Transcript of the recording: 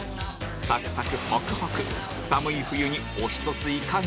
サクサクホクホク寒い冬にお一ついかが？